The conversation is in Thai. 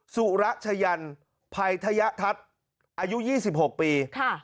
สุระชะยันไพทยทัศน์อายุ๒๖ปี